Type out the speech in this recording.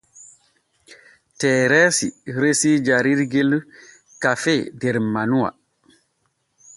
Tereesi resii jarirgel kafee der manuwa.